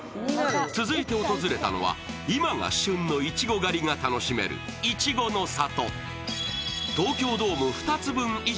続いて訪れたのは今が旬のいちご狩りが楽しめるいちごの里。